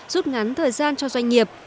giúp ngắn thời gian cho doanh nghiệp